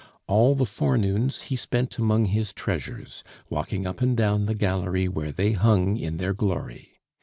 All the forenoons he spent among his treasures, walking up and down the gallery where they hung in their glory.